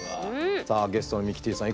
さあゲストのミキティさん